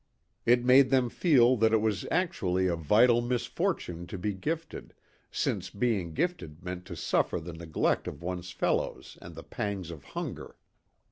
It made them feel that it was actually a vital misfortune to be gifted, since being gifted meant to suffer the neglect of one's fellows and the pangs of hunger.